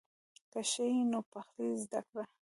که ښه یې نو پخلی زده کړه.